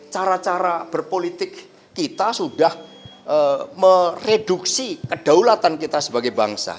cara cara berpolitik kita sudah mereduksi kedaulatan kita sebagai bangsa